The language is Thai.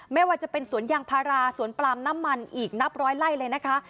ไม่ว่าจะเป็นสวนยางพาราสวนปลามน้ำมันอีกนับร้อยไล่เลยนะคะ